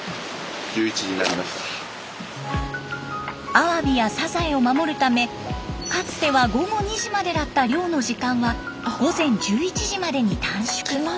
アワビやサザエを守るためかつては午後２時までだった漁の時間は午前１１時までに短縮。